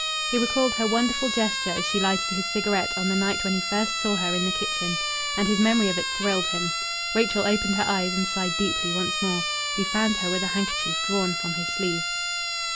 He recalled her wonderful gesture as she lighted his cigarette on the night when he first saw her in her kitchen; and his memory of it thrilled him.... Rachel opened her eyes and sighed deeply once more. He fanned her with a handkerchief drawn from his sleeve.